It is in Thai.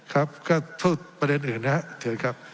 ครับก็พูดประเด็นอื่นนะครับ